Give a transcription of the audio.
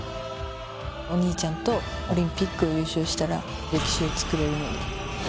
お兄ちゃんとオリンピックで優勝したら歴史を作れるので。